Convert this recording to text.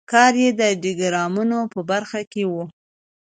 کار یې د ډیاګرامونو په برخه کې و.